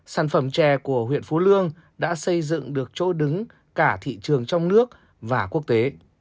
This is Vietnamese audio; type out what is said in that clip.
sản phẩm chè của huyện phú lương đã xây dựng được chỗ đứng cả thị trường trong nước và quốc tế